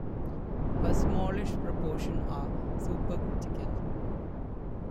A smallish proportion are supercritical.